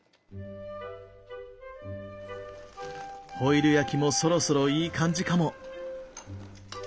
ホイル焼きもそろそろいい感じかも。